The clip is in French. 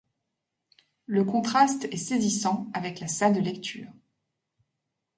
Le contraste est saisissant avec la salle de lecture.